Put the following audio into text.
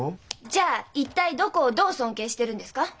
じゃあ一体どこをどう尊敬してるんですか？